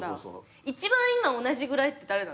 一番今同じぐらいって誰なんですか？